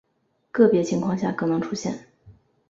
个别情况下可能出现。